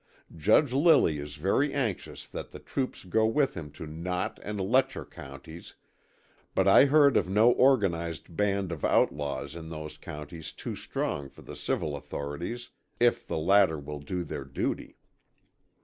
Judge Lilly is very anxious that the troops go with him to Knott and Letcher Counties, but I heard of no organized band of outlaws in those counties too strong for the civil authorities, if the latter will do their duty.